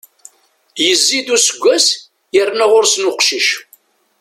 Yezzi-d useggas, yerna ɣur-sen uqcic.